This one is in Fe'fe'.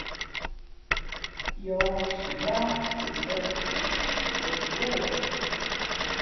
Yǒhnshi báá pəpēʼ tα mbʉά lα bᾱ.